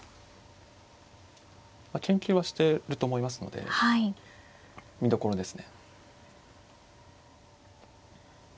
研究はしてると思いますので見どころですね。